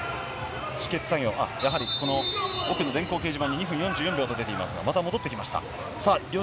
奥の電光掲示板、２分４４秒と出ていますが戻ってきました。